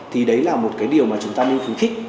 thì đấy là một cái điều mà chúng ta nên khuyến khích